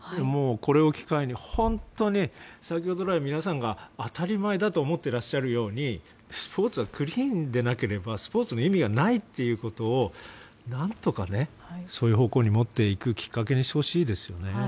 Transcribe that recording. これを機会に本当に先ほど来、皆さんが当たり前だと思っていらっしゃるようにスポーツはクリーンでなければスポーツの意味がないということを何とかそういう方向に持っていくきっかけにしてほしいですよね。